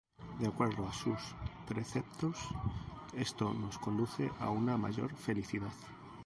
De acuerdo a sus preceptos, esto nos conduce a una mayor felicidad.